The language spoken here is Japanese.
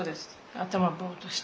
頭ぼーっとしてる。